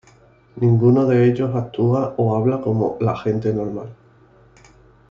Ninguno de ellos actúa o habla como la gente normal.